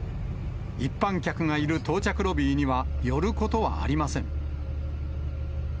一般客がいる到着ロビーには寄ることはありません。